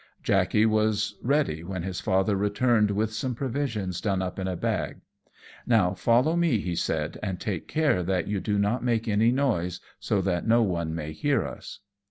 Jackey was ready when his father returned with some provisions done up in a bag. "Now follow me," he said, "and take care that you do not make any noise, so that no one may hear us."